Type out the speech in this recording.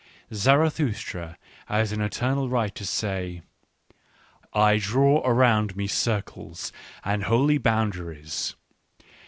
Zarathustra has an eternal right to say :" I draw around me circles and holy bound aries.